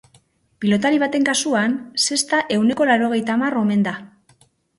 Pilotari baten kasuan, zesta ehuneko laurogeita hamar omen da.